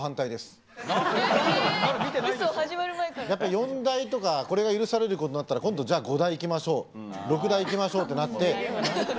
四大とかこれが許されることになったら今度じゃあ五大いきましょう六大いきましょうってなって。